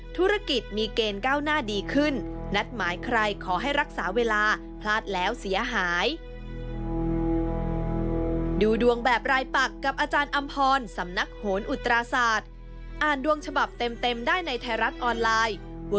ธุรกิจมีเกณฑ์ก้าวหน้าดีขึ้นนัดหมายใครขอให้รักษาเวลาพลาดแล้วเสียหาย